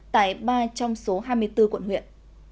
tại ba trong số hai mươi bốn quận huyện